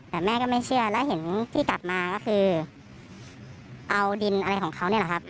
แต่แม่ก็ไม่เชื่อแล้วเห็นที่ตัดมาก็คือเอาดินอะไรของเขานี่แหละครับ